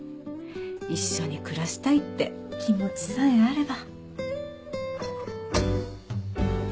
一緒に暮らしたいって気持ちさえあれば。